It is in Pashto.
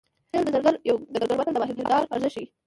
سل د زرګر یو د ګګر متل د ماهر کار ارزښت ښيي